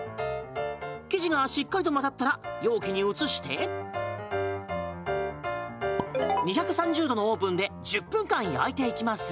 生地がしっかりと混ざったら容器に移して２３０度のオーブンで１０分間焼いていきます。